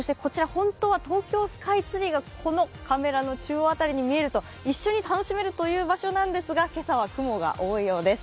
本当は東京スカイツリーがカメラの中央辺りに一緒に楽しめるという場所なんですが今朝は雲が多いようです。